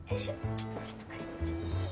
ちょっとちょっと貸して。